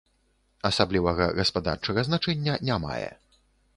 Асаблівага гаспадарчага значэння не мае.